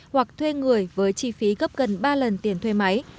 hoặc thuê người với chi phí gấp gần ba lần tiền thuê máy